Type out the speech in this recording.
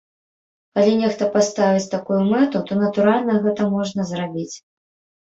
Калі нехта паставіць такую мэту, то, натуральна, гэта можна зрабіць.